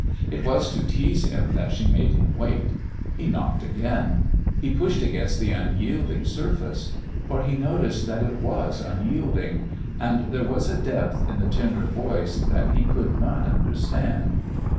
It was to tease him that she made him wait. He knocked again; he pushed against the unyielding surface. For he noticed that it was unyielding; and there was a depth in the tender voice that he could not understand.